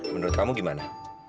menurut kamu gimana